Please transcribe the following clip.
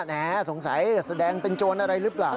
แหมสงสัยแสดงเป็นโจรอะไรหรือเปล่า